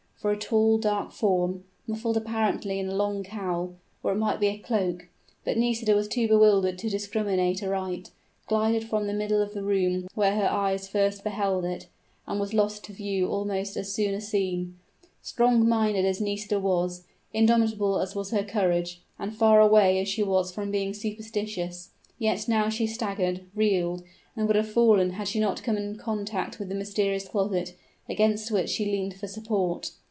For a tall, dark form, muffled apparently in a long cowl or it might be a cloak, but Nisida was too bewildered to discriminate aright glided from the middle of the room where her eyes first beheld it, and was lost to view almost as soon as seen. Strong minded as Nisida was, indomitable as was her courage, and far away as she was from being superstitious, yet now she staggered, reeled, and would have fallen had she not come in contact with the mysterious closet, against which she leaned for support.